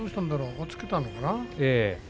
押っつけたのかな？